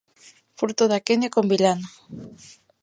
Fruto en aquenio con vilano.